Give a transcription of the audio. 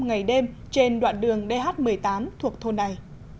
ngày đêm trên đoạn đường dh một mươi tám thuộc thôn này